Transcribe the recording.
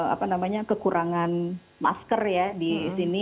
apa namanya kekurangan masker ya di sini